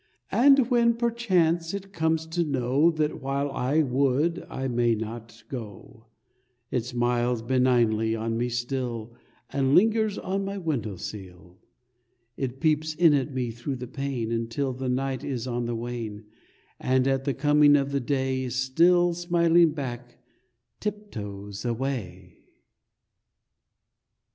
And when perchance it comes to know That while I would I may not go, It smiles benignly on me still, And lingers on my window sill. It peeps in at me through the pane Until the night is on the wane, And at the coming of the day, Still smiling back, tiptoes away.